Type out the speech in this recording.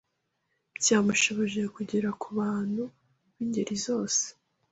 byamushoboje kugera ku bantu b’ingeri zose